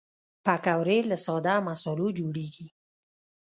پکورې له ساده مصالحو جوړېږي